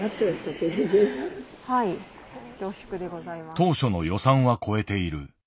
当初の予算は超えている。